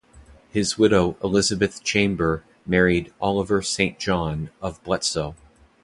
His widow Elizabeth Chamber married Oliver St John of Bletsoe.